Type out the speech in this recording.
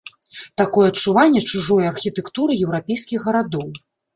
Такое адчуванне чужое архітэктуры еўрапейскіх гарадоў.